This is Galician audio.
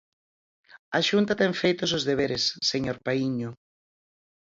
A Xunta ten feitos os deberes, señor Paíño.